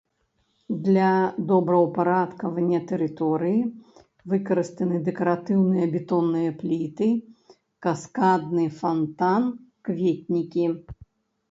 Для добраўпарадкавання тэрыторыі выкарыстаны дэкаратыўныя бетонныя пліты, каскадны фантан, кветнікі.